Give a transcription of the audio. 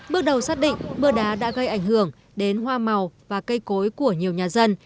bước đầu xác định mưa đá đã gây ảnh hưởng đến hoa màu và cây cối của nhiều nhà dân